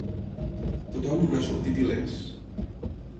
Tothom n'ha sortit il·lès.